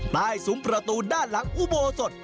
ซุ้มประตูด้านหลังอุโบสถ